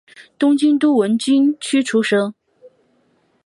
东京都文京区出身。